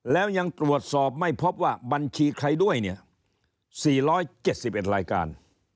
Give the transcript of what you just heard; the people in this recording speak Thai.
แล้วยังตรวจสอบไม่พบว่าบัญชีใครด้วยเนี่ยสี่ร้อยเจ็ดสิบเอ็ดรายการ